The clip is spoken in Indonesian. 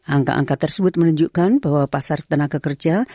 angka angka tersebut menunjukkan bahwa pasar tenaga kerja